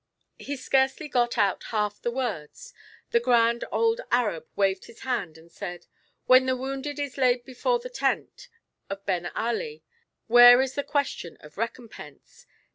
He scarcely got out half the words; the grand old Arab waved his hand and said, "When the wounded is laid before the tent of Ben Ali, where is the question of recompense?